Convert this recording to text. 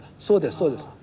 そうですそうです。